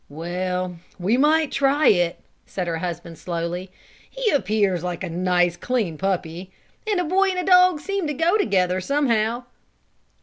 "Well, we might try it," said her husband slowly. "He appears like a nice, clean puppy. And a boy and dog seem to go together, somehow."